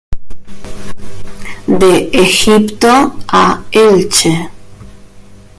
De Egipto a Elche.